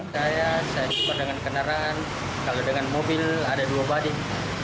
saya saya cuma dengan kendaraan kalau dengan mobil ada dua badik